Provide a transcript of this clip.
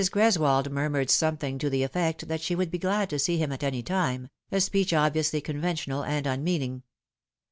Greswold murmured something to the effect that she would be glad to see him at any time, a speech obviously con ventional and unmeaning.